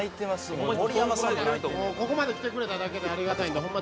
ここまで来てくれただけでありがたいんでホンマ